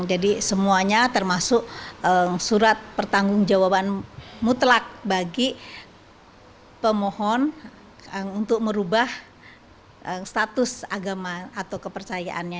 jadi semuanya termasuk surat pertanggung jawaban mutlak bagi pemohon untuk merubah status agama atau kepercayaannya